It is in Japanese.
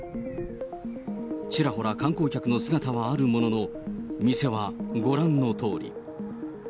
ちらほら観光客の姿はあるものの、店はご覧のとおり。